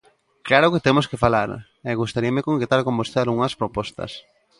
Claro que temos que falar, e gustaríame concretar con vostedes algunhas propostas.